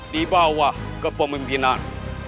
dibawa ke pemimpinan